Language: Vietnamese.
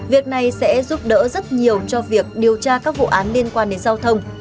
việc này sẽ giúp đỡ rất nhiều cho việc điều tra các vụ án liên quan đến giao thông